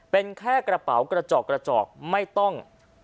เป็นแค่กระเป๋ากระจอกไม่ต้อง